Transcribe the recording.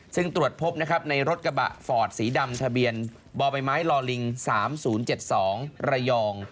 ซึ่งตรวจพบนะครับในรถกระบะฟอร์ดสีดำทะเบียนบ่อใบไม้ลอลิง๓๐๗๒ระยอง